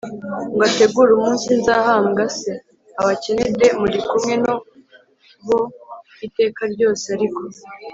Ngo ategure umunsi nzahambwa c abakene d muri kumwe na bo iteka ryose ariko